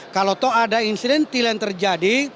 kalau toh ada insiden tila yang terjadi